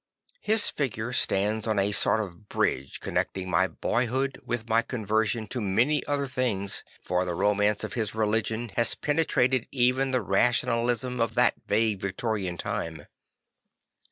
His figure stands on a sort of bridge connecting my boyhood with my conversion to many other things; for the romance of his religion had penetra ted even the rationalism of that vague Victorian time.